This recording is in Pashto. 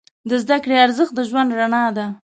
د زده کړې ارزښت د ژوند رڼا ده.